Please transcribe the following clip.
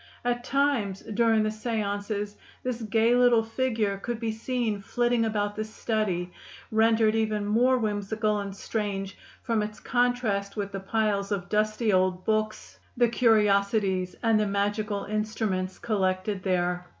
At times, during the séances, this gay little figure could be seen flitting about the study, rendered even more whimsical and strange from its contrast with the piles of dusty old books, the curiosities, and the magical instruments collected there.